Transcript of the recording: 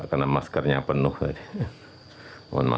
jadi ingin saya bagi yang tertinggal bernama